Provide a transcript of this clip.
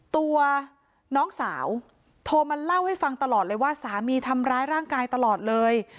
ตัวน้องสาวโทรมาเล่าให้ฟังตลอดเลยว่าสามีทำร้ายร่างกายตลอดเลย